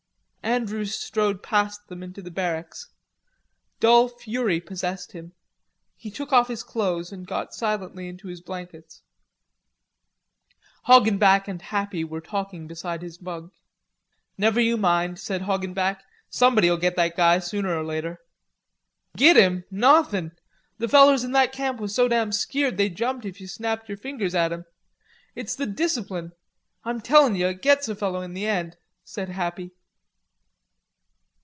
Andrews strode past them into the barracks. Dull fury possessed him. He took off his clothes and got silently into his blankets. Hoggenback and Happy were talking beside his bunk. "Never you mind," said Hoggenback, "somebody'll get that guy sooner or later." "Git him, nauthin'! The fellers in that camp was so damn skeered they jumped if you snapped yer fingers at 'em. It's the discipline. I'm tellin' yer, it gits a feller in the end," said Happy.